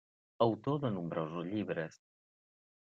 Autor de nombrosos llibres.